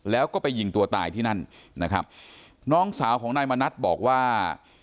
แล้วก็ไปยิงตัวตายที่นั่นนะครับน้องสาวของนายมณัฐบอกว่า